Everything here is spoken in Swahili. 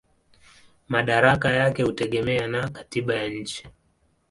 Madaraka yake hutegemea na katiba ya nchi.